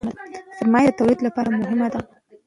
سرمایه د تولید لپاره مهمه ده.